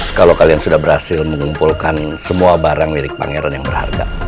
kalau kalian sudah berhasil mengumpulkan semua barang milik pangeran yang berharga